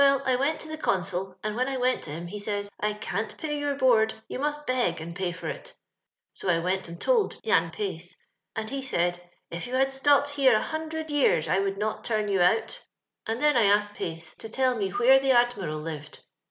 I went to the eonsol, and when I went to him, he says, * I eant pay yoor board ; yon most beg and pay far it ;* so I went and told Jan Face, and he said, * If yon had stopped here a hmidred yeara, I would not tnm yon oot ;* and then I asked Pace to tell me where the Admiral Hved.